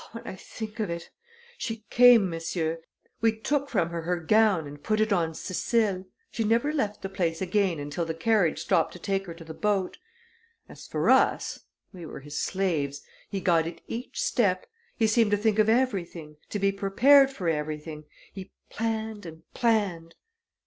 "Ah, when I think of it! She came, monsieur. We took from her her gown and put it on Cécile. She never left the place again until the carriage stopped to take her to the boat. As for us we were his slaves he guided each step he seemed to think of everything to be prepared for everything he planned and planned."